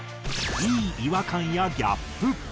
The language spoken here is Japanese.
いい違和感やギャップ。